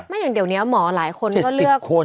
อย่างเดี๋ยวนี้หมอหลายคนก็เลือกคน